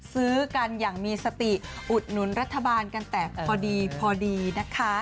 ซื้อกันอย่างมีสติอุดหนุนรัฐบาลกันแต่พอดีพอดีนะคะ